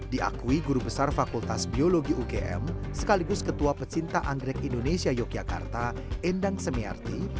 diakui guru besar fakultas biologi ugm sekaligus ketua pecinta anggrek indonesia yogyakarta endang semiarti